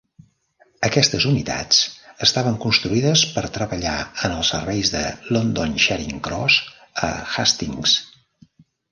Aquestes unitats estaven construïdes per treballar en els serveis de London Charing Cross a Hastings.